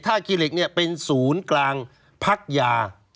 ท่าขี้เหล็กเป็นศูนย์กลางพักยา